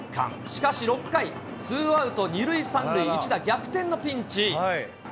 しかし６回、ツーアウト２塁３塁、一打逆転のピンチ。